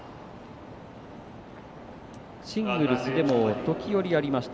シングルスでも時折ありました